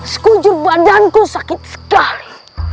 sekujur badanku sakit sekali